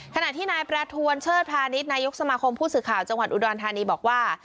ขณะที่นายประทวนเชิดพาณิชย์นายกสมาคมผู้สื่อข่าวจังหวัดอุดรธานีบอกว่า